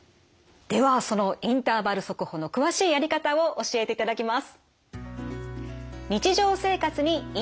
ではそのインターバル速歩の詳しいやり方を教えていただきます。